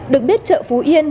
được biết chợ phú yên